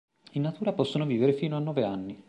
In natura possono vivere fino a nove anni.